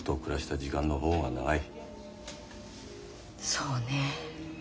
そうね。